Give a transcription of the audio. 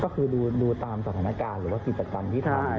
ก็คือดูตามสถานการณ์หรือว่ากิจกรรมที่ทำ